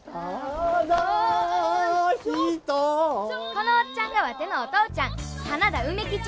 このおっちゃんがワテのお父ちゃん花田梅吉